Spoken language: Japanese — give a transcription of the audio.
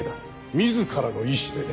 自らの意志でね。